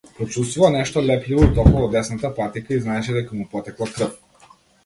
Почувствува нешто лепливо и топло во десната патика и знаеше дека му потекла крв.